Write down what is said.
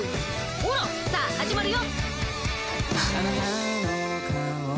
ほらさぁ始まるよ！